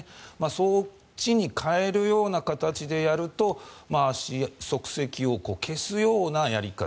そっちに換えるような形でやると足跡を消すようなやり方